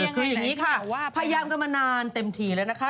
พยายามก็มานานเต็มทีแล้วนะคะ